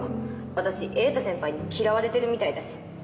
私瑛太先輩に嫌われてるみたいだし。